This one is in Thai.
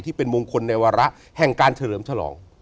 เป็นมงคลในวาระแห่งการเฉลิมฉลอง